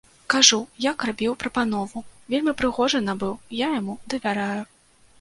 Кажу, як рабіў прапанову, вельмі прыгожы набыў, я яму давяраю.